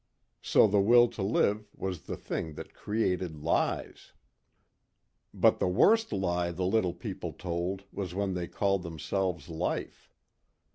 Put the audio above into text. So the will to live was the thing that created lies. But the worst lie the little people told was when they called themselves life.